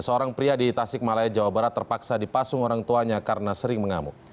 seorang pria di tasik malaya jawa barat terpaksa dipasung orang tuanya karena sering mengamuk